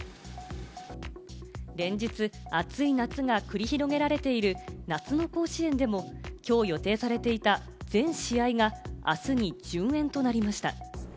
連日、暑い夏が繰り広げられている夏の甲子園でもきょう予定されていた全試合があすに順延となりました。